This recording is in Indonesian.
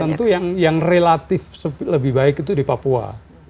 tentu yang relatif lebih baik itu di papua